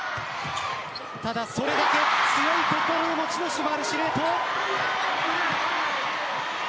ただそれだけ強い心の持ち主でもある司令塔。